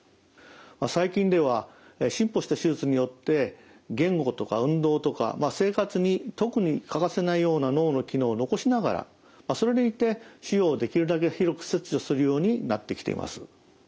最近では進歩した手術によって言語とか運動とか生活に特に欠かせないような脳の機能を残しながらそれでいて腫瘍をできるだけ広く切除するようになってきています。